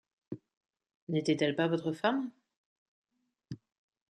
N’était-elle pas votre femme?